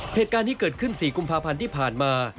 เหตุการณ์ที่เกิดขึ้น๔กุมภาพันธ์ที่ผ่านมา